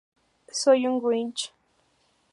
Soy un Grinch.